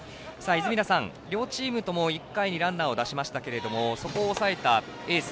泉田さん、両チームとも１回にランナーを出しましたがそこを抑えたエース。